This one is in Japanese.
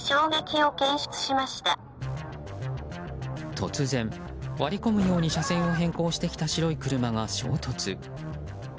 突然割り込むように車線を変更してきた白い車が、衝突。